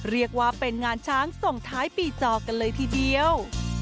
เรียกว่าเป็นงานช้างส่งท้ายปีจอกันเลยทีเดียว